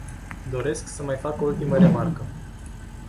Doresc să mai fac o ultimă remarcă.